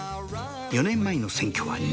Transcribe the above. ４年前の選挙は２位。